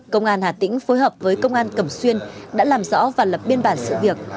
công an hà tĩnh phối hợp với công an cẩm xuyên đã làm rõ và lập biên bản sự việc